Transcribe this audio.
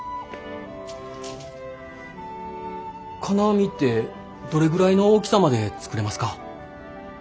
金網ってどれぐらいの大きさまで作れますか？